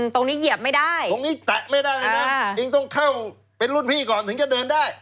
เหยียบไม่ได้ตรงนี้แตะไม่ได้เลยนะเองต้องเข้าเป็นรุ่นพี่ก่อนถึงจะเดินได้